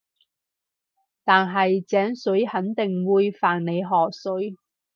但係井水肯定會犯你河水